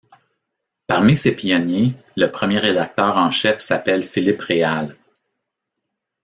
Parmi ces pionniers, le premier rédacteur en chef s'appelle Philippe Réal.